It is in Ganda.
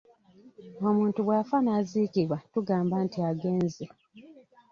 Omuntu bw’afa n’aziikibwa tugamba nti agenze.